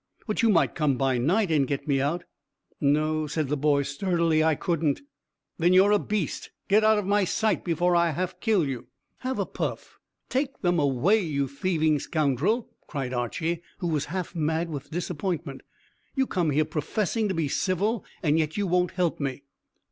"But you might come by night and get me out." "No," said the boy sturdily, "I couldn't." "Then you're a beast. Get out of my sight before I half kill you!" "Have a puff." "Take them away, you thieving scoundrel!" cried Archy, who was half mad with disappointment. "You come here professing to be civil, and yet you won't help me."